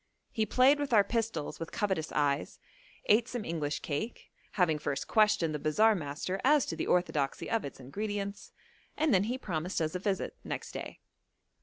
He played with our pistols with covetous eyes, ate some English cake, having first questioned the bazaar master as to the orthodoxy of its ingredients, and then he promised us a visit next day.